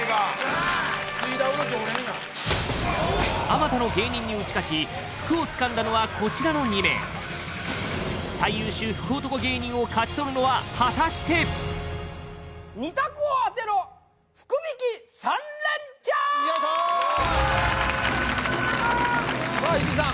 あまたの芸人に打ち勝ち福をつかんだのはこちらの２名最優秀福男芸人を勝ち取るのは果たして２択を当てろ福引き３連チャンさあ日比さん